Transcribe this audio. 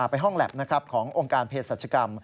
ไปห้องแล็บขององค์การเพศรัชกรรม